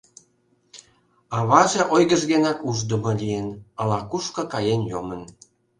Аваже ойгыж денак ушдымо лийын, ала-кушко каен йомын.